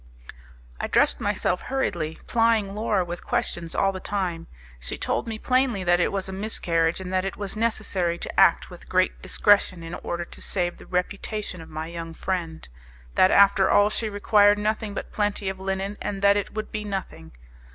I dressed myself hurriedly, plying Laura with questions all the time. She told me plainly that it was a miscarriage, and that it was necessary to act with great discretion in order to save the reputation of my young friend; that after all she required nothing but plenty of linen, and that it would be nothing.